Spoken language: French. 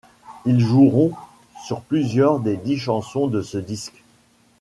Ils joueront sur plusieurs des dix chansons de ce disque.